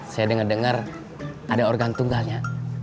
saya dengar dengar ada organ tunggalnya